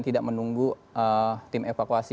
dan tidak menunggu tim evakuasi